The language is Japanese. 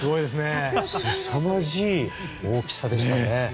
すさまじい大きさでしたね。